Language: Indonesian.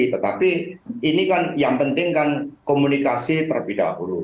tetapi ini kan yang penting kan komunikasi terlebih dahulu